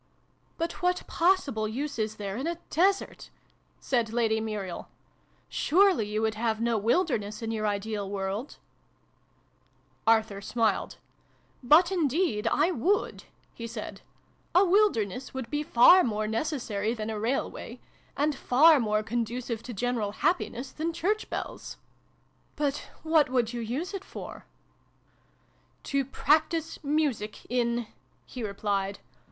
" But what possible use is there in a desert? 1 said Lady Muriel. " Surely you would have no wilderness in your ideal world ?" Arthur smiled. " But indeed I would f" he said. " A wilderness would be more necessary than a railway ; and far more conducive to general happiness than church bells !"" But what would you use it for ?" X] JABBERING AND JAM. 159 " To practise music in" he replied.